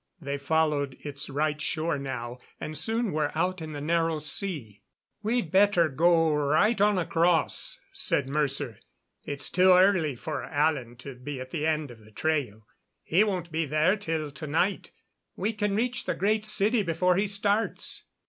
They followed its right shore now and soon were out in the Narrow Sea. "We'd better go right on across," said Mercer. "It's too early for Alan to be at the end of the trail. He won't be there till to night. We can reach the Great City before he starts."